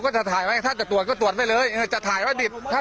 ผมไม่ไปที่ด่านเพราะว่าถ้า